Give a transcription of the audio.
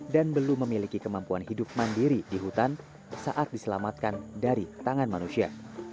dan belum memiliki kemampuan hidup mandiri di hutan saat diselamatkan dari tangan manusia